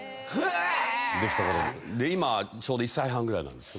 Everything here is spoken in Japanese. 今ちょうど１歳半ぐらい。